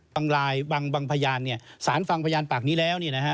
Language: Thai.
บางรายบางพยานสารฟังพยานปากนี้แล้ว